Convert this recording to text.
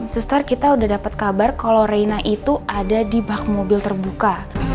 suster kita udah dapat kabar kalau reina itu ada di bak mobil terbuka